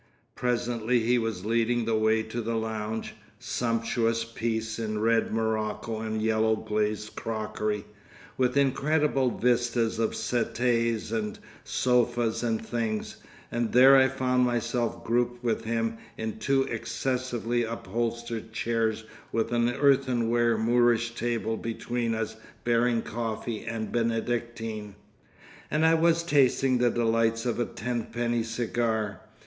Presently he was leading the way to the lounge—sumptuous piece in red morocco and yellow glazed crockery, with incredible vistas of settees and sofas and things, and there I found myself grouped with him in two excessively upholstered chairs with an earthenware Moorish table between us bearing coffee and Benedictine, and I was tasting the delights of a tenpenny cigar.